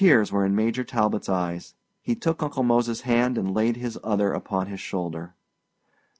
Tears were in Major Talbot's eyes. He took Uncle Mose's hand and laid his other upon his shoulder.